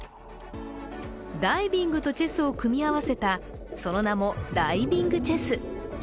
ダイビングとチェスを組み合わせた、その名もダイビングチェス。